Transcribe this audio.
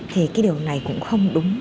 thì cái điều này cũng không đúng